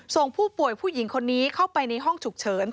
ส่งผู้ป่วยผู้หญิงคนนี้เข้าไปในห้องฉุกเฉิน